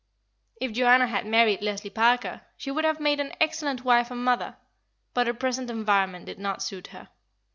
If Joanna had married Leslie Parker, she would have made an excellent wife and mother; but her present environment did not suit her.